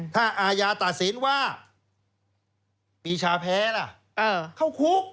ถ้าอาญาตัดสินว่าปีชาแพ้ล่ะเข้าคุก